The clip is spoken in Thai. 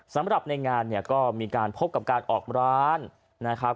สำหรับในงานเนี่ยก็มีการพบกับการออกร้านนะครับ